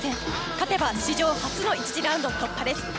勝てば史上初の１次ラウンド突破です。